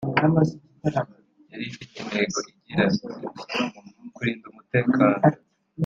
yari ifite intego igira iti “Kurinda umutekano